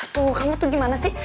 tuh kamu tuh gimana sih